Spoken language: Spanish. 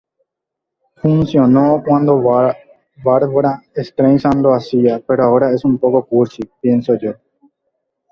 Funcionó cuando Barbra Streisand lo hacía, pero ahora es un poco cursi, pienso yo.